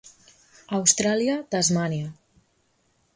Austràlia, Tasmània.